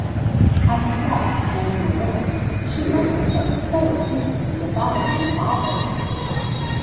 "I confess I am a little; she must have been so deucedly divided and bothered."